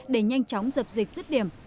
để nhanh chóng dập dịch dứt điểm